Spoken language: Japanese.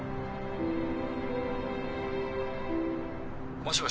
もしもし。